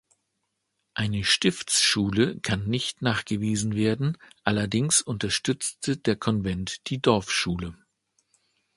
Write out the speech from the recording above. Eine Stiftsschule kann nicht nachgewiesen werden, allerdings unterstützte der Konvent die Dorfschule.